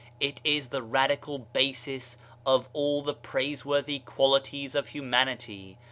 It is the radical basis of all the praiseworthy qualities of humanity.